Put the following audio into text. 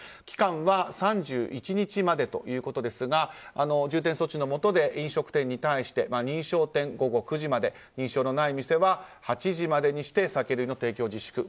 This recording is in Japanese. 期間は３１日までということですが重点措置のもとで飲食店に対して認証店、午後９時まで認証のない店は８時までにして酒類の提供自粛